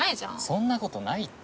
そんなことないって。